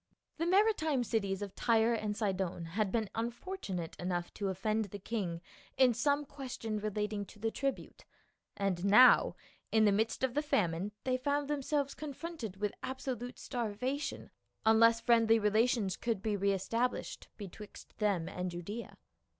The maritime cities of Tyre and Sidon had been unfortunate enough to offend the king in some ques tion relating to the tribute, and now in the midst of the famine they found themselves confronted with absolute starvation unless friendly relations could be re established betwixt them and Judaea.